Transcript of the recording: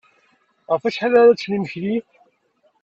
Ɣef wacḥal ara ččen imekli?